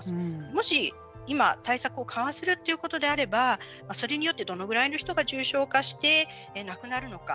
もし今対策を緩和するということであればそれによってどれぐらいの人が重症化して亡くなるのか。